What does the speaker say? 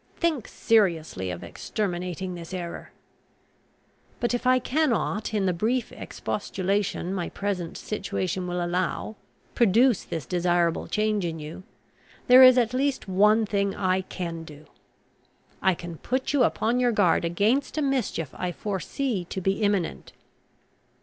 Think seriously of exterminating this error! "But if I cannot, in the brief expostulation my present situation will allow, produce this desirable change in you, there is at least one thing I can do. I can put you upon your guard against a mischief I foresee to be imminent.